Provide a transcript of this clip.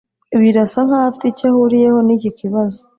Birasa nkaho afite icyo ahuriyeho niki kibazo